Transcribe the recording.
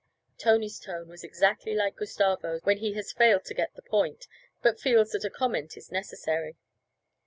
Tony's tone was exactly like Gustavo's when he has failed to get the point, but feels that a comment is necessary.